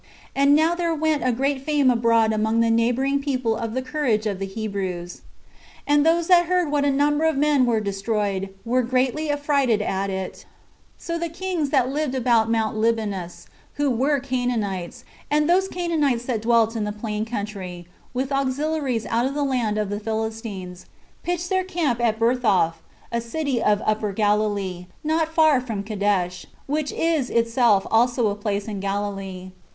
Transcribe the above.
And now there went a great fame abroad among the neighboring people of the courage of the Hebrews; and those that heard what a number of men were destroyed, were greatly affrighted at it: so the kings that lived about Mount Libanus, who were Canaanites, and those Canaanites that dwelt in the plain country, with auxiliaries out of the land of the Philistines, pitched their camp at Beroth, a city of the Upper Galilee, not far from Cadesh, which is itself also a place in Galilee.